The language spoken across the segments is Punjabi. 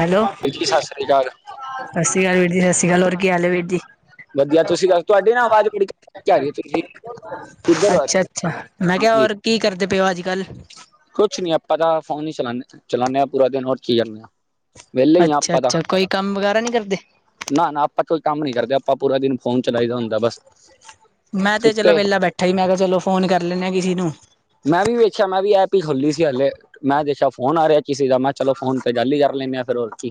ਹੈਲੋ, ਜੀ ਸਤਿ ਸ੍ਰੀ ਅਕਾਲ ਸਸ ਸ਼੍ਰੀ ਕਾਲ ਵੀਰ ਜੀ ਸਸ ਸ਼੍ਰੀ ਕਾਲ। ਹੋਰ ਕੀ ਹਾਲ ਐ ਵੀਰ ਜੀ? ਵਧੀਆ, ਤੁਸੀਂ ਕਰ ਤੁਹਾਡੀ ਨਾ ਆਵਾਜ਼ ਬੜੀ [unintelligible] ਤੁਸੀਂ ਕਿੱਧਰ ਹੋ ਅੱਛਾ-ਅੱਛਾ, ਮੈਂ ਕਿਆ ਹਾਂਜੀ ਹੋਰ ਕੀ ਕਰਦੇ ਪਏ ਓ ਅੱਜ-ਕੱਲ੍ਹ? ਕੁਛ ਨੀ ਆਪਾਂ ਤਾਂ ਫੋਨ ਈ ਚਲਾਣੇ ਆ ਚਲਾਣੇ ਆ ਪੂਰਾ ਦਿਨ ਹੋਰ ਕੀ [unintelligible] ਆ। ਵਿਹਲੇ ਹੀ ਆ ਅੱਛਾ-ਅੱਛਾ, ਕੋਈ ਕੰਮ ਵਗੈਰਾ ਨੀ ਕਰਦੇ? ਨਾ-ਨਾ ਆਪਾਂ ਕੋਈ ਕੰਮ ਨੀ ਕਰਦੇ ਆਪਾਂ ਪੂਰਾ ਦਿਨ ਫੋਨ ਚਲਾਈ ਦਾ ਹੁੰਦਾ ਬਸ। ਮੈਂ ਤੇ ਚਲੋ ਸੁੱਤੇ ਵੇਲਾ ਬੈਠਾ ਈ ਮੈਂ ਕਿਆ ਚਲੋ ਫੋਨ ਕਰ ਲੈਣੇ ਆ ਕਿਸੀ ਨੂੰ। ਮੈਂ ਵੀ ਵੇਖਿਆ ਮੈਂ ਵੀ ਐਪ ਈ ਖੋਲੀ ਸੀ ਹਲੇ ਮੈਂ ਦੇਖਿਆ ਫੋਨ ਆ ਰਿਆ ਕਿਸੀ ਦਾ ਮਹਾ ਚਲੋ ਫੋਨ ਤੇ ਗੱਲ ਈ ਕਰ ਲੈਣੇ ਆ ਫੇਰ ਹੋਰ ਕੀ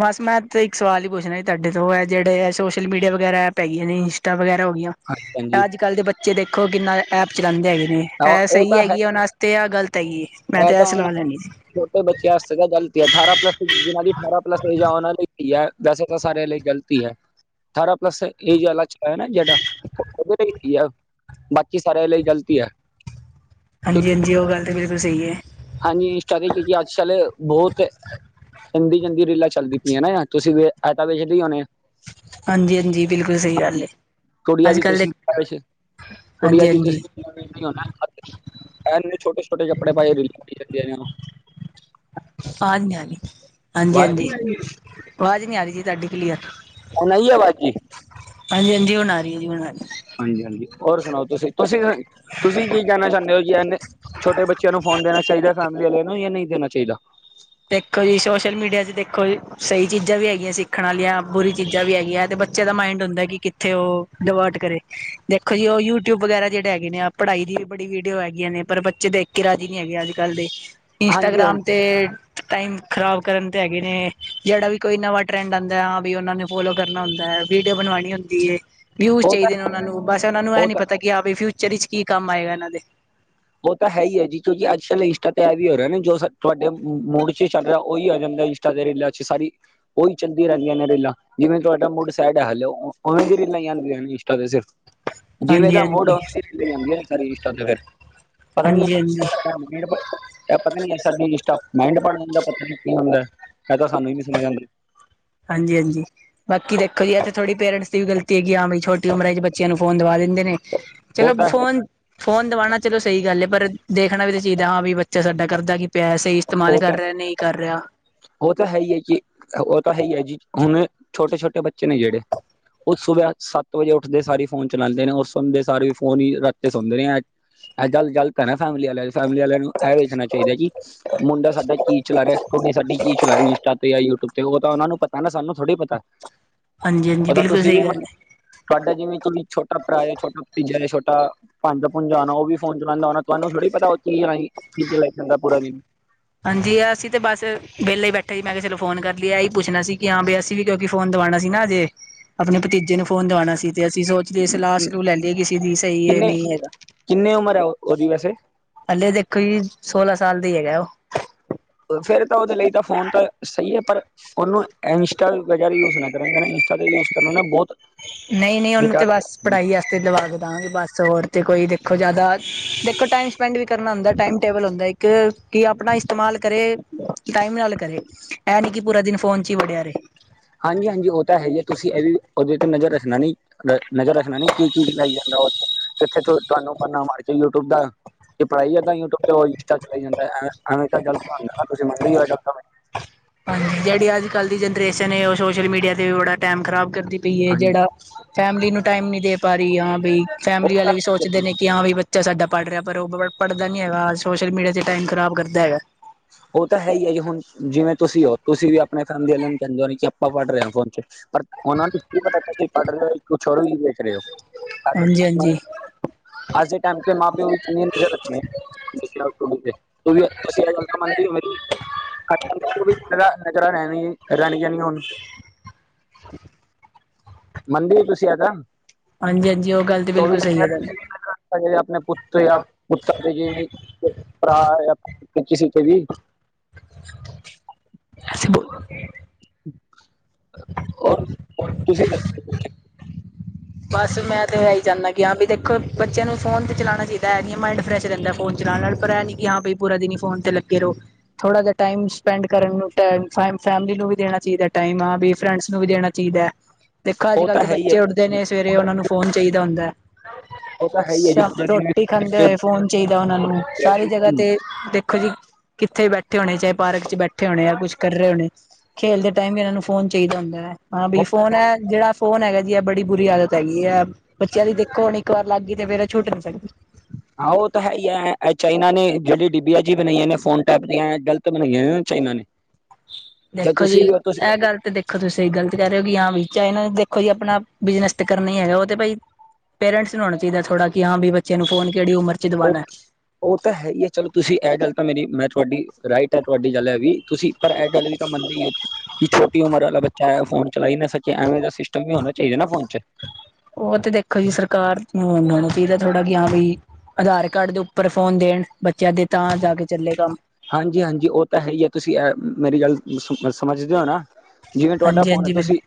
ਬਸ ਮੈਂ ਤੇ ਇੱਕ ਸਵਾਲ ਈ ਪੁੱਛਣਾ ਤੁਹਾਡੇ ਤੋਂ ਐ ਜੇੜੇ ਐ ਸੋਸ਼ਲ-ਮੀਡੀਆ ਵਗੈਰਾ ਐਪ ਹੈਗੀਆਂ ਨੇ ਇੰਸਟਾ ਵਗੈਰਾ ਹੋਗੀਆ ਹਾਂਜੀ ਹਾਂਜੀ ਅੱਜ-ਕੱਲ੍ਹ ਦੇ ਬੱਚੇ ਦੇਖੋ ਕਿੰਨਾ ਐਪ ਚਲਾਂਦੇ ਹੈਗੇ ਨੇ। ਹਾਂ, ਐ ਉਹ ਸਈ ਤਾਂ ਹੈ ਹੈਗੀ ਆ ਉਨਾਂ ਆਸਤੇ ਯਾਂ ਗ਼ਲਤ ਹੈਗੀ ਏ ਮੈਂ ਇਹ ਤੇ ਐ ਤਾਂ ਹੁਣ ਸਲਾਹ ਲੈਣੀ ਸੀ? ਛੋਟੇ ਬੱਚਿਆਂ ਆਸਤੇ ਤਾ ਗਲਤ ਈ ਐ ਅਠਾਰਾਂ ਪਲੱਸ ਜਿਨਾਂ ਦੀ ਅਠਾਰਾਂ ਪਲੱਸ ਏਜ ਆ ਓਨਾਂ ਲਈ ਸਈ ਐ ਵੈਸੇ ਤਾਂ ਸਾਰਿਆਂ ਲਈ ਗਲਤ ਤ ਈ ਐ ਅਠਾਰਾਂ ਪਲੱਸ ਏਜ ਆਲਾ ਐ ਨਾ ਜੇੜਾ ਓਦੇ ਲਈ [unintelligible] ਆ ਬਾਕੀ ਸਾਰਿਆਂ ਲਈ ਗ਼ਲਤੀ ਈ ਆ। ਹਾਂਜੀ-ਹਾਂਜੀ, ਓ ਗੱਲ ਤੇ ਬਿਲ ਸਈ ਐ। ਹਾਂਜੀ, ਇੰਸਟਾ ਤੇ ਤੂਸੀ ਆੱਜ-ਕੱਲ ਬੋਹਤ ਗੰਦੀ-ਗੰਦੀ ਰੀਲਾਂ ਚੱਲਦੀ ਪਈਆਂ ਨਾ, ਤੂਸੀ ਵੇ ਐ ਤਾਂ ਵੇਖਦੇ ਈ ਹੋਨੇ ਓ? ਹਾਂਜੀ-ਹਾਂਜੀ, ਬਿਲਕੁਲ ਸਈ ਗਾੱਲ ਏ ਕੁੜੀਆਂ ਦੀ ਆੱਜ-ਕੱਲ ਦੇ ਤੁਸੀਂ ਕੁੜੀਆਂ ਦੀ ਹਾਂਜੀ-ਹਾਂਜੀ। [unintelligible] ਐਨੇ ਛੋਟੇ-ਛੋਟੇ ਕੱਪੜੇ ਪਾਏ ਰੀਲਾਂ ਪਾਈ ਜਾਂਦੀਆਂ ਨੇ ਓ। ਹਾਂਜੀ, ਹਾਂਜੀ, ਹਾਂਜੀ, ਵਾਜੀ ਹਾਂਜੀ ਅਵਾਜ ਨੀ ਆ ਰੀ ਜੀ ਤਾਡੀ ਕਲੀਅਰ। ਹੋਨ ਆਈ ਏ ਅਵਾਜ ਜੀ? ਹਾਂਜੀ-ਹਾਂਜੀ, ਹੁਨ ਆਰੀ ਏ ਜੀ, ਹੁਨ ਆਰੀ। ਹਾਂਜੀ-ਹਾਂਜੀ, ਔਰ ਸੁਨਾਓ ਤੂਸੀ, ਤੂਸੀ ਅਂ, ਤੂਸੀ ਕੀ ਕੈਨਾ ਚਾਂਦੇ ਓ ਕਿ ਐਨੇ ਛੋਟੇ ਬੱਚੇਆਂ ਨੂੰ ਫੋਨ ਦੇਨਾ ਚਾਈਦੈ ਫੈਮਿਲੀ ਆਲੇਆਂ ਨੂੰ ਯਾ ਨਈ ਦੇਨਾ ਚਾਈਦਾ? ਦੇਖੋ ਜੀ ਸੋਸ਼ਲ-ਮੀਡੀਆ ਚ ਦੇਖੋ ਸਈ ਚੀਜਾਂ ਵੀ ਹੈਗੀਆਂ ਸਿੱਖਣ ਆਲੀਆਂ, ਬੁਰੀ ਚੀਜਾਂ ਵੀ ਹੈਗੀਐਂ ਤੇ ਬੱ ਬੱਚੇ ਦਾ ਮਾਇੰਡ ਹੁੰਦੈ ਕਿ ਕਿੱਥੇ ਓ ਡਿਵਰਟ ਕਰੇ, ਦੇਖੋ ਜੀ ਓ ਯੂਟਿਊਬ ਵਗੈਰਾ ਜੇੜੇ ਹੈਗੇ ਨੇ ਅਪ ਪਢਾਈ ਦੀ ਵੀ ਬੜੀ ਵੀਡੀਓ ਹੈਗੀਆਂ ਨੇ ਪਰ ਬੱਚੇ ਦੇਖ ਕੇ ਰਾਜੀ ਨੀ ਹੈਗੇ ਆੱਜ-ਕਾੱਲ ਦੇ। ਹਾਂਜੀ ਇੰਸਟਾਗ੍ਰਾਮ ਹਾਂਜੀ ਤੇ ਟਾਈਮ ਖ਼ਰਾਬ ਕਰਨ ਤੇ ਹੈਗੇ ਨੇ, ਜੇੜਾ ਵੀ ਕੋਈ ਨਵਾਂ ਟਰੈਂਡ ਆਂਦੈ ਹਾਂ ਬੀ ਓਨਾਂ ਨੂੰ ਫੋਲੋ ਕਰਨਾ ਹੁੰਦੈ, ਵੀਡੀਓ ਬਨਵਾਨੀ ਹੁੰਦੀ ਏ। ਵਿਊਜ਼ ਉਹ ਤਾਂ ਚਾਈਦੇ ਨੇ ਓਨਾਂ ਨੂੰ, ਬਾੱਸ ਓਨਾਂ ਨੂੰ ਐ ਉਹ ਨੀ ਤਾਂ ਪਤਾ ਕਿ ਆ ਬਈ ਫਿਊਚਰ ਵਿੱਚ ਕੀ ਕਾੰਮ ਆਏਗਾ ਐਨਾਂ ਦੇ। ਓ ਤਾਂ ਹੈ ਈ ਐ ਜੀ ਕਿਉਂਕਿ ਆੱਜ-ਕਾੱਲ ਇੰਸਟਾ ਤੇ ਐ ਵੀ ਹੋ ਰੇਆ ਨਾ ਜੋ ਸਾ ਤੂਆਡੇ, ਮੂ ਮੂਡ ਚ ਚੱਲ ਰੇਐ, ਓਈ ਆ ਜਾਂਦਾ ਈ। ਤਾਰੇ ਰੀਲਾਂ ਚ ਸਾਰੀ ਓਈ ਚੱਲਦੀਆਂ ਰੇੰਦੀਆਂ ਨੇ ਰੀਲਾਂ। ਜਿਵੇਂ ਤੂਆਡਾ ਮੂਡ ਸੈਡ ਐ, ਹੇਲੋ ਓ ਓਵੇਂ ਦੀ ਰੀਲਾਂ ਈ ਆਂਦੀਆ ਇੰਸਟਾ ਤੇ ਸਿਰਫ। ਜਿਵੇਂ ਹਾਂਜੀ ਦਾ ਮੂਡ ਏ, ਹਾਂਜੀ ਓਵੇਂ ਦੀ ਈ ਰੀਲਾਂ ਆਂਦੀਆਂ ਨੇ ਸਾਰੀ ਇੰਸਟਾ ਤੇ ਫੇਰ। ਹਾਂਜੀ-ਹਾਂਜੀ। [inaudible] ਐ ਪਤਾ ਨੀ ਐ ਸਾਡੀ ਇੰਸਟਾ, ਮਾਈਂਡ ਪਾੱੜ ਲੈਂਦੈ ਪਤਾ ਨੀ ਕੀ ਹੁੰਦੈ, ਐ ਤਾਂ ਸਾਨੂੰ ਈ ਨੀ ਸਮਝ ਆਂਦੀ। ਹਾਂਜੀ-ਹਾਂਜੀ। ਬਾਕੀ ਦੇਖੋ ਜੀ ਐ ਤੇ ਥੋੜੀ ਪੇਂਰਟਸ ਦੀ ਵੀ ਗਲਤੀ ਐਗੀ ਐ, ਆ ਵਈ ਛੋਟੀ ਉਮਰਾਂ ਚ ਬੱਚੇਆਂ ਨੂੰ ਫੋਨ ਦਵਾ ਦੇਂਦੇ ਨੇ ਚਲੋ ਉਹ ਤਾਂ ਫੋਨ ਫੋਨ ਦਵਾਣਾ ਚਲੋ ਸਈ ਗਾੱਲ ਏ, ਪਰ ਦੇਖਣਾ ਵੀ ਤੇ ਚਾਈਦੈ, ਹਾਂ ਵੀ ਬੱਚਾ ਸਾਡਾ ਕਰਦਾ ਕੀ ਪੇਐ ਸਈ ਤੇਮਾਲ ਕਾਰ ਰੇਐ, ਨਈ ਕਾਰ ਰੇਆ। ਓ ਤਾ ਹੈ ਈ ਐ ਜੀ, ਓ ਤਾ ਹੈ ਈ ਐ ਜੀ, ਹੁਣ ਛੋਟੇ-ਛੋਟੇ ਬੱਚੇ ਨੇ ਜੇੜੇ ਓ ਸੁਬਾ ਸਾੱਤ ਵਜੇ ਉੱਠਦੇ ਸਾਰ ਈ ਫੋਨ ਚਲਾਂਦੇ ਨੇ ਔਰ ਸੌਂਦੇ ਸਾਰ ਵੀ ਫੋਨ ਈ ਰਾੱਖਕੇ ਸੌਂਦੇ ਨੇ ਐ ਐ ਗਾੱਲ ਗਲਤ ਐ ਨਾ ਫੈਮਲੀ ਆਲੇਆਂ ਦੀ, ਫੈਮਲੀ ਆਲੇਆਂ ਨੂੰ ਐ ਵੇਖਨਾ ਚਾਈਦੈ ਕਿ ਮੁੰਡਾ ਸਾਡਾ ਕੀ ਚਲਾ ਰੇਆ, ਕੁੜੀ ਸਾਡੀ ਕੀ ਚਲਾ ਰੀ ਇੰਸਟਾ ਤੇ ਯਾ ਯੂਟਿਊਬ ਤੇ, ਓ ਤਾਂ ਓਨਾ ਨੂੰ ਪਤੈ ਨਾ, ਸਾਨੂੰ ਥੋੜੀ ਪਤੈ। [inaudible] ਹਾਂਜੀ ਓ ਤਾਂ ਬਿਲਕੁਲ ਤੂਸੀ ਵੀ ਸਹੀ ਗੱਲ ਹੈ [unintelligible] ਤੂਆਡਾ ਜਿਵੇਂ ਕੋਈ ਛੋਟਾ ਭਰਾ ਏ, ਛੋਟਾ ਭਤੀਜਾ ਏ, ਛੋਟਾ ਭਾਨਜਾ-ਭੁਨਜਾ ਹੋਨੈ, ਓ ਵੀ ਫੋਨ ਚਲਾਂਦੈ ਹੋਣਾ, ਤੂਆਨੂੰ ਥੋੜੀ ਪਤੈ ਓ, [unintelligible] ਕੀ ਚਲਾਈ ਜਾਂਦੈ ਪੂਰਾ ਦਿਨ ਹਾਂਜੀ ਅਸੀ ਤੇ ਬਾੱਸ, ਵੈਲੇ ਈ ਬੈਠੇ ਈ, ਮੈਂ ਕੇਆ ਚਲੋ ਫੋਨ ਕਾਰ ਲੀਏ, ਐਈ ਪੁਛਨਾ ਸੀ ਕਿ ਹਾਂ ਬੀ ਅਸ ਤੀ ਵੀ ਕਿਂਓਕੀ ਫੋਨ ਦਵਾਣਾ ਸੀ ਨਾ ਅਜੇ, ਅਪਨੇ ਭਤੀਜੇ ਨੂੰ ਫੋਨ ਦਵਾਣਾ ਸੀ ਤੇ ਅਸੀ ਸੋਚ ਜੇ ਸਲਾਅ-ਸਲੂ ਲੈਲੀਏ ਕਿਸੀ ਦੀ ਸਈ ਏ, ਕਿੰਨੇ ਨਈ ਹੈਗਾ। ਕਿੰਨੇ ਉਮਰ ਹੈ ਉਹਦੀ ਵੈਸੇ ਹਲੇ ਦੇਖੋ ਜੀ, ਸੋਲਾਂ ਸਾਲ ਦਾ ਈ ਹੈਗਾ ਓ। ਫੇਰ ਤਾ ਓਦੇ ਲਈ ਤਾ ਫੋਨ ਤਾਂ ਸਈ ਐ ਪਰ ਓਨੂੰ ਏੰਸਟਾ ਵਗੈਰਾ ਯੂਜ਼ ਨਾ ਕਰਨ ਦੇਨਾ, ਇੰਸਟਾ ਤੇ ਯੂਜ਼ ਕਰੋ ਨਾ ਬੋਹਤ ਨਈਂ-ਨਈਂ ਓਨੂੰ ਤੇ ਬਾੱਸ ਪਢਾਈ ਆ ਤੇ ਦਵਾ ਕੇ ਦਾਂਗੇ ਬਾੱਸ ਹੋਰ ਤੇ ਕੋਈ ਦੇਖੋ ਜਾਦਾ, ਦੇਖੋ ਟਾਈਮ ਸਪੈਂਡ ਵੀ ਕਰਨਾ ਹੁੰਦੈ, ਟਾਈਮ ਟੇਬਲ ਹੁੰਦੈ ਇੱਕ ਕੇ ਕਿ ਅਪਣਾ ਇਸਤੇਮਾਲ ਕਰੇ, ਟਾਈਮ ਨਾਲ ਕਰੇ ਐ ਨੀ ਕਿ ਪੂਰਾ ਦਿਨ ਫੋਨ ਚ ਈ ਵੜੇਆ ਰਏ। ਹਾਂਜੀ-ਹਾਂਜੀ ਓ ਤਾਂ ਹੈ ਈ ਐ। ਤੁਸੀ ਐ ਵੀ ਓਦੇ ਤੇ ਨਜਰ ਰੱਖਣਾ ਨੀ। ਨ ਨਜਰ ਰੱਖਣਾ ਨਈ ਕੀ ਕੀ ਚੀਜ ਚਲਾਈ ਜਾਂਦਾ ਓ, ਕਿੱਥੇ ਤੁਆਨੂੰ ਬਾਨਾ ਮਾਰ ਜੇ ਯੂਟਿਊਬ ਦਾ ਤੇ ਪੜਾਈ ਏਦਾਂ ਯੂਟਿਊਬ ਚ ਓ ਇੰਸਟਾ ਚਲਾਈ ਜਾਂਦਾ ਐਵੇਂ ਐਵੇਂ ਤਾਂ ਚਲ [unintelligible] ਤੁਸੀ ਮੰਨਦੇ ਈ ਓ ਏ ਗਲ ਹਾਂਜੀ, ਜੇੜੀ ਅੱਜ-ਕੱਲ ਦੀ ਜਨਰੇਸ਼ਨ ਏ ਓ ਸੋਸ਼ਲ ਮੀਡੀਆ ਤੇ ਵੀ ਬੜਾ ਟੈਮ ਖ਼ਰਾਬ ਕਰਦੀ ਪਈ ਏ ਹਾਂਜੀ ਜੇੜਾ ਫੈਮਲੀ ਨੂੰ ਟਾਈਮ ਨੀ ਦੇ ਪਾ ਰਈ ਆਂ ਬੀ। ਉਹ ਫੈਮਿਲੀ ਤਾਂ ਆਲੇ ਵੀ ਸੋਚਦੇ ਨੇ ਕਿ ਹਾਂ ਵਈ ਬੱਚਾ ਸਾਡਾ ਪੜ ਰੇਆ ਪਰ ਓ ਪ ਪੜਦਾ ਨੀ ਹੈਗਾ ਸੋਸ਼ਲ-ਮੀਡੀਆ ਤੇ ਟਾਈਮ ਖਰਾਬ ਕਰਦਾ ਹੈਗਾ। ਓ ਤਾਂ ਹੈ ਈ ਐ ਜੀ ਹੁਣ ਜਿਵੇਂ ਤੁਸੀ ਓ ਤੁਸੀ ਵੀ ਅਪਣੇ ਫੈਮਲੀ ਆਲੇ ਨੂੰ ਕੈਂਦੇ ਓ ਕਿ ਆਪਾਂ ਪੜ ਰਏ ਆ ਫੋਨ ਚ ਪਰ ਓਨਾਂ ਨੂੰ ਕੀ ਪਤਾ ਤੁਸੀ ਪੜ ਰਏ ਓ ਕੁਛ ਹੋਰ ਵੀ ਵੇਖ ਰਏ ਓ ਐ ਤੇ ਹਾਂਜੀ ਹਾਂਜੀ ਅੱਜ ਦੇ ਟੈਮ ਤੇ ਮਾਂ-ਪੇਓ ਵਿਚ ਮੇਨ ਨਜਰ ਰੱਖਣੀ [unintelligible] ਅਸੀ ਐ ਗਲ [unintelligible] ਰੈਣ ਗੀਆ ਨੀ ਹੁਣ। [inaudible] ਮੰਨਦੇ ਓ ਤੁਸੀ ਐ ਤਾ। ਹਾਂਜੀ-ਹਾਂਜੀ, ਓ ਗੱਲ ਤੇ ਬਿਲਕੁਲ ਸਈ ਐ। ਅਪਨੇ ਪੁੱਤ ਯਾ ਪੁੱਤਰ ਯਾਂ ਭਰਾ ਯਾਂ ਕਿਸੀ ਤੇ ਵੀ [inaudible] ਹੋਰ ਤੁਸੀ ਦੱਸੋ? ਬਸ ਮੈਂ ਤੇ ਐਈ ਚਾਨਾ ਕਿ ਹਾਂ ਬੀ ਦੇਖੋ ਬੱਚੇਆਂ ਨੂੰ ਫੋਨ ਤੇ ਚਲਾਣਾ ਚਈਦਾ ਐ ਨੀ ਮਾਇੰਡ ਫਰੈਸ਼ ਰੈਂਦਾ। ਫੋਨ ਚਲਾਨ ਨਾਲ ਪਰ ਐਨੀ ਕਿ ਹਾਂ ਪੂਰਾ ਦਿਨ ਈ ਫੋਨ ਤੇ ਲੱਗੇ ਰਓ। ਥੋੜਾ ਜਾ ਟਾਈਮ ਸਪੈਂਡ ਕਰਨ ਨੂੰ ਟੈਮ ਫੈਮ ਫੈਮਲੀ ਨੂੰ ਵੀ ਦੇਣਾ ਚਾਈਦਾ ਟਾਈਮ ਹਾਂ ਬੀ ਫਰੈਂਡਸ ਨੂੰ ਵੀ ਦੇਣਾ ਚਈਦਾ। ਦੇਖੋ ਅੱਜ ਉਹ ਕੱਲ ਤਾਂ ਦੇ ਹੈ ਹੀ ਹੈ ਬੱਚੇ ਉੱਠਦੇ ਨੇ ਸਵੇਰੇ ਓਨਾਂ ਨੂੰ ਫੋਨ ਚਾਈਦਾ ਹੁੰਦਾ ਐ। ਉਹ ਤਾਂ ਹੈ ਹੀ ਹੈ ਸ਼ ਜੀ ਪੂਰਾ ਦਿਨ ਰੋਟੀ ਖਾਂਦੇ ਵੀ ਹੋਏ ਫੋਨ ਚਾਈਦਾ ਓਨਾ ਨੂੰ ਸਾਰੀ ਜਗਾ ਤੇ ਦੇਖੋ ਜੀ, ਕਿੱਥੇ ਬੈਠੇ ਹੋਣੇ ਚਾਏ ਪਾਰਕ ਚ ਬੈਠੇ ਹੋਣੇ ਆ ਕੁੱਛ ਕਰ ਰੇ ਹੋਣੇ। ਖੇਲ ਦੇ ਟਾਈਮ ਵੀ ਏਨਾ ਨੂੰ ਫੋਨ ਚਾਈਦਾ ਹੁੰਦਾ ਐ। ਹਾਂ ਬੀ ਫੋਨ ਐ ਜੇੜਾ ਫੋਨ ਹੈਗਾ ਜੀ ਐ ਬੜੀ ਬੁਰੀ ਆਦਤ ਹੈਗੀ ਐ। ਬੱਚੇਆਂ ਦੀ ਦੇਖੋ ਹੁਣ ਇੱਕ ਵਾਰ ਲੱਗ ਗਈ ਤੇ ਫੇਰ ਏ ਛੁੱਟ ਨੀ ਸਕਦੀ। ਹਾਂ ਓ ਤਾਂ ਹੈ ਈ ਐ। ਐ ਚਾਈਨਾ ਨੇ ਜੇੜੀ ਡਿਬੀਆ ਜੀ ਬਨਾਈਆਂ ਨੇ ਫੋਨ ਟੈਪ ਦੀਆਂ ਐ ਗਲ ਤ ਬਣਾਈਆਂ ਨੇ ਨਾ ਚਾਈਨਾ ਨੇ। ਤੇ ਦੇਖੋ ਤੁਸੀਂ ਜੀ, ਵੀ ਉਹ ਤੁਸੀਂ ਐ ਗੱਲ ਤੇ ਦੇਖ ਦੇਖੋ ਤੁਸੀ ਗਲਤ ਕੈ ਰੇ ਓ ਕਿ ਹਾਂ ਬੀ ਚਾਈਨਾ ਨੇ ਦੇਖੋ ਜੀ ਅਪਣਾ ਬਿਜਨਸ ਤੇ ਕਰਨਾ ਈ ਹੈਗਾ ਓ ਤੇ ਬਈ ਪੇਰੈਂਟਸ ਨੂੰ ਹੋਣਾ ਚਾਈਦਾ ਥੋੜਾ ਕਿ ਹਾਂ ਬੀ ਬੱਚੇ ਨੂੰ ਫੋਨ ਕੇੜੀ ਉਮਰ ਚ ਓ ਦਵਾਉਣਾ ਓ ਤਾ ਹੈਈ ਐ ਚਲੋ ਤੁਸੀ ਐ ਗੱਲ ਤਾਂ ਮੇਰੀ ਮੈਂ ਤੁਆਡੀ ਰਾਈਟ ਐ ਤੁਆਡੀ ਗੱਲ ਐ ਵੀ ਤੁਸੀ ਪਰ ਐ ਗੱਲ ਵੀ ਤਾਂ ਮੰਨਦੀ ਏ ਵੀ ਛੋਟੀ ਉਮਰ ਵਾਲਾ ਬੱਚਾ ਐ ਫੋਨ ਚਲਾ ਈ ਨਾ ਸਕੇ ਐਵੇਂ ਦਾ ਸਿਸਟਮ ਵੀ ਹੋਨਾ ਚਾਈਦਾ ਨਾ ਫੋਨ ਚ। ਓ ਤੇ ਦੇਖੋ ਜੀ ਸਰਕਾਰ ਨੂੰ ਹੋਨਾ ਨੂੰ ਚਈਦਾ ਥੋੜਾ ਕਿ ਹਾਂ ਬਈ ਅਧਾਰ ਕਾਰਡ ਦੇ ਉੱਪਰ ਫੋਨ ਦੇਣ ਬੱਚੇਆਂ ਦੇ ਤਾਂ ਜਾ ਕੇ ਚੱਲੇਗਾ। ਹਾਂਜੀ ਹਾਂਜੀ, ਓ ਤਾ ਹੈਈ ਐ। ਤੁਸੀ ਅ ਮੇਰੀ ਗੱਲ ਸਮ ਸਮਝਦੇ ਓ ਨਾ। ਜਿਵੇਂ ਟੁਆਡਾ ਹਾਂਜੀ ਫੋਨ ਐ ਹਾਂਜੀ ਬਿਲ ਤੁਸੀ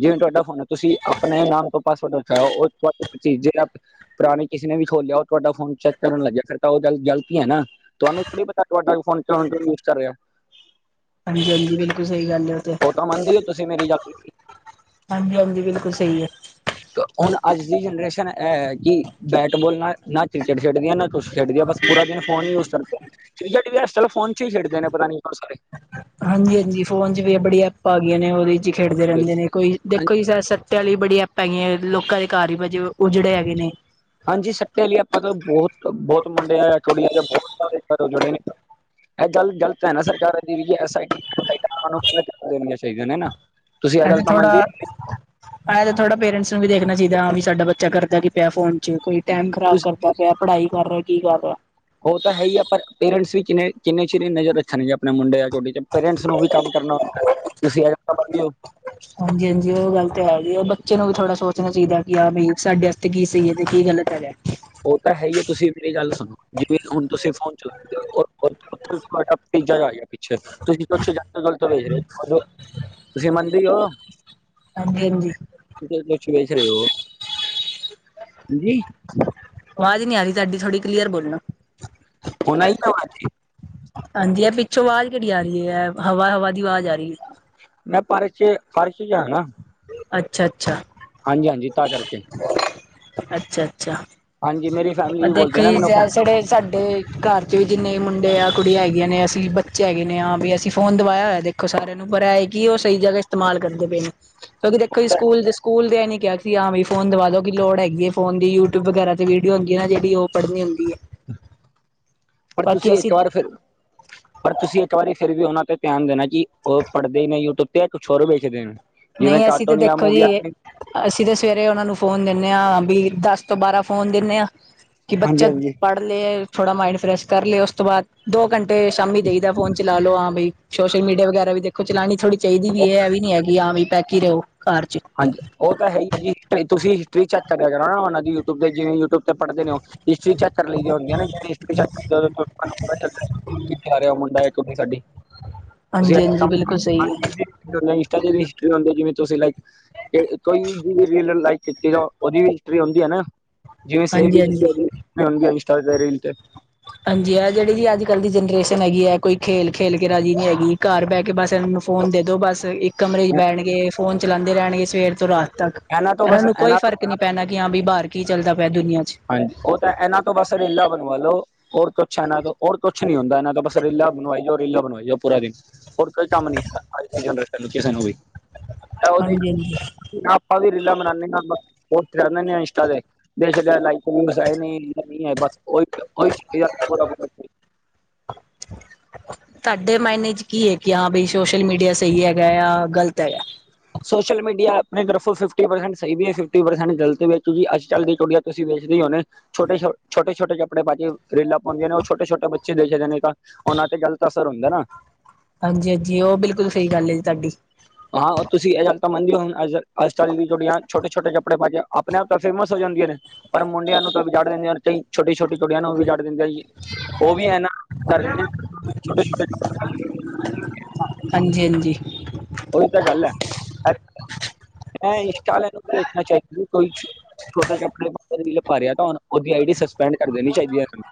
ਜਿਵੇਂ ਤੁਆਡਾ ਫੋਨ ਐ, ਤੁਸੀ ਅਪਨੇ ਨਾਮ ਤੋਂ ਪਾਸਵਰਡ ਰੱਖੇਆ ਓ ਤੋਡਾ ਚੇਂਜ ਆ ਪੁਰਾਨੇ ਕਿਸੇ ਨੇ ਵੀ ਖੋਲੇਆ ਓ ਤਾਡਾ ਫੋਨ ਚੈਕ ਕਰਨ ਲੱਗੇਆ ਫੇਰ ਤਾ ਓ ਗਲ ਗਲਤੀ ਐ ਨਾ। ਤੁਆਨੂੰ ਕੀ ਪਤਾ ਤੁਆਡਾ ਫੋਨ ਕੌਣ ਕਓਂ ਯੂਜ਼ ਕਰ ਰੇਆ। ਹਾਂਜੀ-ਹਾਂਜੀ ਬਿਲਕੁੱਲ ਸਈ ਗੱਲ ਐ। ਓ ਤਾਂ ਮੰਨਦੀ ਓ ਤੁਸੀਂ ਮੇਰੀ [unintelligible] ਹਾਂਜੀ-ਹਾਂਜੀ ਬਿਲਕੁੱਲ ਸਈ ਐ। ਹੁਣ ਅੱਜ ਦੀ ਜਨਰੇਸ਼ਨ ਐ-ਐ ਕੀ ਬੈਟਬੋਲ ਨਾਲ ਨਾ ਕ੍ਰਿਕਟ ਖੇਡਦੀਆ ਨਾ ਕੁੱਛ ਖੇਡਦੇ ਆ ਬਸ ਪੂਰਾ ਦਿਨ ਫੋਨ ਈ ਯੂਜ ਕਰਦੇ ਆ ਠੀਕ ਟੀਵੀਐਸ ਫੋਨ ਚ ਈ ਖੇਡਦੇ ਨੇ ਪਤਾ [unintelligible] ਸਾਰੇ। ਹਾਂਜੀ-ਹਾਂਜੀ ਫੋਨ ਚ ਵੀ ਬੜੀਆਂ ਐਪਾਂ ਆ ਗੀਆਂ ਨੇ ਓਦੇ ਚ ਈ ਖੇਡਦੇ ਰੈਂਦੇ ਨੇ ਕੋਈ ਦੇਖੋ ਹਾਂਜੀ- ਜੀ [unintelligible] [unintelligible] ਬੜੀ ਆਪਾਂ ਹੈਗੀ ਐ ਲੋਕਾਂ ਦੇ ਘਰ ਈ ਵਜੇ ਉਜੜੇ ਹੈਗੇ ਨੇ। ਹਾਂਜੀ ਸਟੇ ਲਈ ਐਪਾਂ ਤਾਂ ਬੋਹਤ ਬੋਤ ਮੁੰਡੇ [inaudible] ਉਜੜੇ ਨੇ। ਐ ਗੱਲ ਗ਼ਲਤ ਐ ਨਾ ਸਰਕਾਰਾਂ ਦੀ [unintelligible] ਦੇਣੀਆਂ ਚਾਈਦੀਆਂ ਨੇ ਨਾ। ਤੁਸੀਂ ਇਹ ਐਂ ਗੱਲ ਤੇ ਤਾਂ ਥੋੜਾ ਮੰਨਦੇ ਐ ਤੇ ਥੋੜਾ ਪੇਰੈਂਟਸ ਨੂੰ ਵੀ ਦੇਖਣਾ ਚਾਈਦਾ ਹਾਂ ਵੀ ਸਾਡਾ ਬੱਚਾ ਕਰਦਾ ਕੀ ਪਿਆ ਫੋਨ ਚ ਕੋਈ ਟੈਮ ਖਰਾਬ ਤੁਸੀਂ- ਕਰਦਾ ਪਿਆ ਪੜ੍ਹਾਈ ਕਰ ਰਿਆ ਕੀ ਕਰ ਰਿਆ। ਓ ਤਾਂ ਹੈ ਈ ਆ ਪਰ ਪੇਰੈਂਟਸ ਵੀ ਕਿੰਨੇ-ਕਿੰਨੇ ਚਿਰ ਨਜ਼ਰ ਰੱਖਣ ਗੇ ਆਪਣੇ ਮੁੰਡਿਆਂ ਤੁਹਾਡੀ ਤੇ ਪੇਰੈਂਟਸ ਨੂੰ ਵੀ ਕੰਮ ਕਰਨਾ ਹੁੰਦੈ ਤੁਸੀਂ ਏ ਤਾਂ ਮੰਨਦੇ ਓ ਹਾਂਜੀ-ਹਾਂਜੀ ਓ ਗੱਲ ਤਾਂ ਹੈ ਜੀ ਬੱਚੇ ਨੂੰ ਵੀ ਥੋੜ੍ਹਾ ਸੋਚਣਾ ਚਾਈਦਾ ਕੀ ਹਾਂ ਬਾਈ ਸਾਡੇ ਤੇ ਕੀ ਸਈ ਐ ਤੇ ਕੀ ਗ਼ਲਤ ਹੈਗੈ। ਓ ਤਾਂ ਹੈ ਈ ਐ ਤੁਸੀਂ ਮੇਰੀ ਗੱਲ ਸੁਣੋ। ਜਿਵੇਂ ਹੁਣ ਤੁਸੀਂ ਫੋਨ [inaudible] ਆ ਗਿਆ [unintelligible] ਤੋ ਵੇਜ ਰੇ ਓ ਤੁਸੀਂ ਮੰਨਦੀ ਓ। ਹਾਂਜੀ-ਹਾਂਜੀ ਤੁਸੀਂ ਕੁਝ ਦੇਖ ਰਿਓ ਹਾਂਜੀ ਆਵਾਜ਼ ਨੀ ਆਰੀ ਤੁਹਾਡੀ ਥੋੜੀ ਕਲੀਅਰ ਬੋਲਣਾ ਹੁਣ ਆਈ ਨਾ ਆਵਾਜ਼। ਹਾਂਜੀ ਆ ਪੀ ਛੋਂ ਆਵਾਜ਼ ਕੇੜੀ ਆਰੀ ਐ ਹਵਾ-ਹਵਾ ਦੀ ਆਵਾਜ਼ ਆਰੀ। ਮੈਂ ਪਰ ਚ ਫਾਰਸ਼ ਜਾਨਾ। ਅੱਛਾ-ਅੱਛਾ ਹਾਂਜੀ-ਹਾਂਜੀ ਤਾਂ ਕਰਕੇ। ਅੱਛਾ-ਅੱਛਾ ਹਾਂਜੀ ਮੇਰੀ ਫੈਮਿਲੀ [unintelligible] ਵੀ ਬੋਲਦੀ ਹੈ ਨਾ ਮੈਨੂੰ ਹੁਣ ਜੇੜੇ ਸਾਡੇ ਘਰ ਚ ਵੀ ਜਿੰਨੇ ਮੁੰਡੇ ਆ, ਕੁੜੀਆਂ ਹੈਗੀਆਂ ਨੇ ਅਸੀਂ, ਬੱਚੇ ਹੈਗੇ ਨੇ ਆ ਵੀ ਅਸੀਂ ਫੋਨ ਦਵਾਇਆ ਹੋਇਆ ਤੇ ਖੋ ਸਾਰਿਆਂ ਨੂੰ ਪਰ ਐ ਕੀ ਓ ਸਈ ਜਗ੍ਹਾ ਇਸਤੇਮਾਲ ਕਰਦੇ ਪਏ ਨੇ ਕਿਉਂਕਿ ਦੇਖੋ ਜੀ ਸਕੂਲ ਦੇ ਸਕੂਲ ਦੇ ਏ ਨੀ ਕਿਆ [unintelligible] ਆ ਵੀ ਫੋਨ ਦਵਾ ਦੋ ਕੀ ਲੋੜ ਹੈਗੀ ਫੋਨ ਦੀ ਯੂਟਿਊਬ ਵਗੈਰਾ ਤੇ ਵੀਡੀਓ ਹੁੰਦੀ ਐ ਨਾ ਜੇੜੀ ਓ ਪੜਨੀ ਹੁੰਦੀ ਐ। ਪਰ ਤੁਸੀਂ ਇੱਕ ਵਾਰ ਫੇਰ ਪਰ ਤੁਸੀਂ ਇੱਕ ਵਾਰੀ ਫਿਰ ਵੀ ਉਨਾਂ ਤੇ ਧਿਆਨ ਦੇਣਾ ਜੀ ਓ ਪੜ੍ਹਦੇ ਨੇ ਯੂਟਿਊਬ ਤੇ ਯਾ ਕੁਛ ਹੋਰ ਵੇਖਦੇ ਨੇ? ਜਿਵੇਂ ਨਈ ਅਸੀਂ ਤੇ ਕਾਰਟੂਨ ਜਾਂ ਦੇਖੋ ਜੀ ਮੂਵੀਆਂ ਅਸੀਂ ਤਾਂ ਸਵੇਰੇ ਉਨਾ ਨੂੰ ਫੋਨ ਦਿੰਨੇ ਆ ਬੀ ਦਸ ਤੋਂ ਬਾਰਾਂ ਫੋਨ ਦਿੰਨੇ ਆ ਕੀ ਹਾਂਜੀ ਬੱਚਾ ਹਾਂਜੀ ਪੜ੍ਹਲੇ ਥੋੜਾ ਮਾਇੰਡ ਫਰੈਸ਼ ਕਰਲੇ ਉਸ ਤੋਂ ਬਾਦ ਦੋ ਘੰਟੇ ਸ਼ਾਮੀ ਦੇਈ ਦਾ ਫੋਨ ਚਲਾਲੋ ਹਾਂ ਬਈ ਸੋਸ਼ਲ ਮੀਡੀਆ ਵਗੈਰਾ ਵੀ ਦੇਖ ਖੋ ਚਲਾਣੀ ਥੋੜ੍ਹੀ ਚਾਈਦੀ ਵੀ ਐ ਵੀ ਨੀ ਹੈਗੀ ਆ ਵੀ ਪੈਕ ਈ ਰਿਓ ਘਰ ਚ। ਹਾਂਜੀ ਓ ਤਾਂ ਹੈ ਈ ਐ ਜੀ ਹਿਸਟਰੀ ਤੁਸੀਂ ਹਿਸਟਰੀ ਚੈੱਕ ਕਰਿਆ ਕਰੋ ਨਾ ਓਨਾ ਦੀ ਯੂਟਿਊਬ ਤੇ ਜਿਵੇਂ ਯੂਟਿਊਬ ਤੇ ਪੜ੍ਹਦੇ ਨੇ ਓ। ਹਿਸਟਰੀ ਚੈਕ ਲਈਦੀ ਹੁੰਦੀ ਆ ਨਾ [inaudible] [unintelligible] [unintelligible] ਇੰਸਟਾ ਹਾਂਜੀ ਹਾਂਜੀ ਬਿਲਕੁਲ ਸਹੀ ਹੈ ਤੇ ਵੀ ਹਿਸਟਰੀ ਹੁੰਦੀ ਜਿਵੇਂ ਤੁਸੀ ਲਾਯੀ ਤੇ ਕੋਈ ਜਿਵੇਂ ਰੀਲ ਲਾਈਕ ਕੀਤੀ ਆ ਓਦੀ ਹਿਸਟਰੀ ਔਂਦੀ ਆ ਨਾ। ਜਿਵੇਂ ਸੇਵ ਹਾਂਜੀ ਹਾਂਜੀ [unintelligible] ਰੀਲ ਤੇ। ਹਾਂਜੀ ਐ ਜੇੜੀ ਜੀ ਅੱਜ ਕੱਲ੍ਹ ਦੀ ਜਨਰੇਸਨ ਹੈਗੀ ਐ ਕੋਈ ਖੇਲ ਖੇਲ ਕੇ ਰਾਜੀ ਨੀ ਹੈਗੀ ਘਰ ਬੈ ਕੇ ਬਸ ਏਨਾਂ ਨੂੰ ਫੋਨ ਦੇ ਦੋ ਬਸ ਇੱਕ ਕਮਰੇ ਚ ਬੈਣਗੇ ਫੋਨ ਚਲਾਂਦੇ ਰੈਣਗੇ ਸਵੇਰ ਤੋਂ ਰਾ ਤੱਕ ਇਹਨਾਂ ਤੋਂ ਐਨਾਂ ਬਸ ਨੂੰ ਕੋਈ ਇਹਨਾਂ ਫ਼ਰਕ ਨੀ ਪੈਣਾ ਕੀ ਹਾਂ ਬੀ ਬਾਰ ਕੀ ਚੱਲਦਾ ਪਿਆ ਦੁਨੀਆਂ ਚ। ਹਾਂਜੀ ਉਹ ਤਾਂ ਇਹਨਾਂ ਬਸ ਰੀਲਾ ਬਣਵਾ ਲੋ ਹੋਰ ਕੁਛ ਇਹਨਾਂ ਤੋਂ ਹੋਰ ਕੁਛ ਨੀ ਹੁੰਦਾ ਇਹਨਾਂ ਦਾ ਬਸ ਰੀਲਾ ਬਣਵਾਈ ਜਾਓ, ਰੀਲਾ ਬਣਵਾਈ ਜਾਓ ਪੂਰਾ ਦਿਨ ਹੋਰ ਕੋਈ ਕੰਮ ਨੀ ਹੈ ਅ ਅ ਅੱਜ ਦੀ ਜਨਰੇਸ਼ਨ ਨੂੰ ਕਿਸੇ ਨੂੰ ਵੀ ਹਾਂਜੀ ਹਾਂਜੀ ਆਪਾਂ ਵੀ ਰੀਲਾਂ ਬਣਾਨੇ ਪੋਸਟ ਕਰ ਦਿਨੇ ਆਂ ਇੰਸਟਾ ਤੇ। [unintelligible] ਤੁਹਾਡੇ ਮਾਇਨੇ ਚ ਕੀ ਹੈ ਕਿ ਹਾਂ ਬਈ ਸੋਸ਼ਲ ਮੀਡੀਆ ਸਹੀ ਹੈਗਾ ਜਾਂ ਗ਼ਲਤ ਹੈਗਾ ਸੋਸ਼ਲ ਮੀਡੀਆ ਆਪਣੇ ਤਰਫੋਂ ਫਿਫਟੀ ਪਰਸੈਂਟ ਸਹੀ ਵੀ ਹੈ ਫਿਫਟੀ ਪਰਸੈਂਟ ਗਲਤ ਵੀ ਹੈ ਕਿਉਂ ਕਿ ਅੱਜ ਚੱਲ ਕੁੜੀਆ ਤੁਸੀਂ ਵੇਚਦੇ ਹੀ ਹੋਣੇ ਛੋਟੇ ਛੋ ਛੋਟੇ-ਛੋਟੇ ਕੱਪੜੇ ਪਾ ਕੇ ਰੀਲਾ ਪੌਣੀਆਂ ਉਹ ਛੋਟੇ ਛੋਟੇ ਬੱਚੇ ਦੇਖਦੇ ਨਹੀਂ ਤਾ। ਉਨਾਂ ਤੇ ਗ਼ਲਤ ਅਸਰ ਹੁੰਦਾ ਨਾ ਹਾਂਜੀ ਹਾਂਜੀ ਉਹ ਬਿਲਕੁਲ ਸਹੀ ਗੱਲ ਹੈ ਜੀ ਤਾਦੀ। ਆਂ ਤੁਸੀ ਏ ਗੱਲ ਤਾ ਮੰਨਦੇ ੳ ਕਿ ਅੱਜ ਕੱਲ ਦਇਆ ਕੁੜੀਆ ਛੋਟੇ -ਛੋਟੇ ਕੱਪੜੇ ਪਾ ਕੇ ਅਪਣੇ ਆਪ ਤਾ ਫੇਮਸ ਹੋ ਜਾਂਦੀਆਂ ਨੇ। ਪਰ ਮੁੰਡਿਆਂ ਨੂੰ ਛੋਟੀ ਛੋਟੀ ਕੁੜੀਆਂ ਨੂੰ ਵੀ ਜਾੜ ੳ ਵੀ ਏ ਨਾ ਹਾਂਜੀ ਹਾਂਜੀ। ਉਹੀ ਤਾਂ ਗੱਲ ਹੈ, ਇਹ ਇੰਸਟਾ ਵਾਲਿਆਂ ਨੂੰ ਦੇਖਣਾ ਚਾਹੀਦਾ ਕੋਈ ੳਦੀ ਆਇਡੀ ਸਸਪੈਂਡ ਕਰ ਦੇਣੀ ਚਾਇਦੀ ਇਨਾ ਨੂੰ।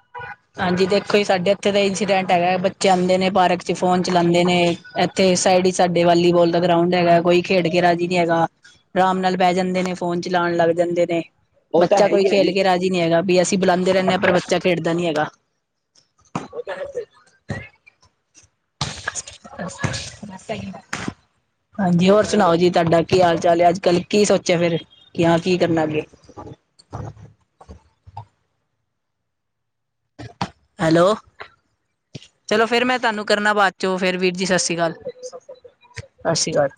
ਹਾਂਜੀ ਦੇਖੋ ਜੀ ਸਾਡੇ ਇੱਥੇ ਦਾ ਇੰਸੀਡੈਂਟ ਹੈਗਾ ਬੱਚੇ ਆਉਂਦੇ ਨੇ ਪਾਰਕ ਚ ਫੋਨ ਚਲਾਉਂਦੇ ਨੇ ਇੱਥੇ ਸਾਈਡ ਹੀ ਸਾਡੇ ਵਾਲੀਬਾਲ ਦਾ ਗਰਾਉਂਡ ਹੈਗਾ ਕੋਈ ਖੇਡ ਕੇ ਰਾਜੀ ਨਹੀਂ ਹੈਗਾ। ਆਰਾਮ ਨਾਲ ਬਹਿ ਜਾਂਦੇ ਨੇ ਫੋਨ ਚਲਾਉਣ ਲੱਗ ਜਾਂਦੇ ਨੇ, ਉਹ ਤਾਂ ਹੈ ਬੱਚਾ ਕੋਈ ਹੀ ਹੈ ਜੀ। ਖੇਲ ਕੇ ਰਾਜ਼ੀ ਨਹੀਂ ਹੈਗਾ ਵੀ ਅਸੀਂ ਬੁਲਉ ਰਹਿੰਦੇ ਪਰ ਬੱਚਾ ਖੇਡਦਾ ਨੀ ਹੈਗਾ, ਉਹ ਤੇ ਹੈ [inaudible] ਹਾਂਜੀ ਹੋਰ ਸੁਣਾਓ ਜੀ ਤੁਹਾਡਾ ਕੀ ਹਾਲ ਚਾਲ ਹੈ? ਅੱਜ ਕੱਲ੍ਹ ਕੀ ਸੋਚਿਆ ਫਿਰ ਕਿ ਆ ਕੀ ਕਰਨਾ ਅੱਗੇ ਹੈਲੋ। ਚਲੋ ਫੇਰ ਮੈਂ ਤੁਹਾਨੂੰ ਕਰਨਾ ਬਾਅਦ ਚੋਂ ਫੇਰ ਵੀਰ ਜੀ ਸਸ ਸੀ ਅਕਾਲ ਸਸ ਸੀ ਅਕਾਲ।